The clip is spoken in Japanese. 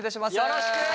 よろしく！